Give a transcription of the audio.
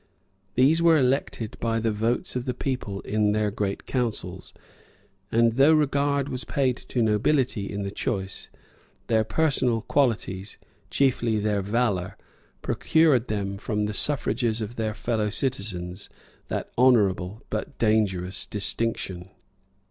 These were elected by the votes of the people in their great councils; and though regard was paid to nobility in the choice, their personal qualities, chiefly their valor, procured them, from the suffrages of their fellow citizens, that honorable but dangerous distinction.